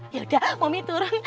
yaudah mami turun